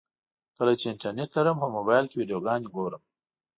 کله چې انټرنټ لرم په موبایل کې ویډیوګانې ګورم.